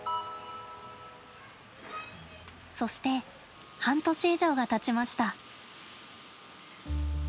そして、半年以上がたちました。